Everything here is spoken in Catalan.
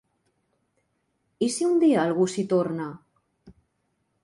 I si un dia algú s’hi torna?